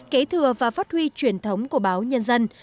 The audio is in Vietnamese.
kế thừa và phát huy truyền thống của báo nhân dân